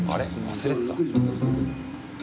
忘れてた？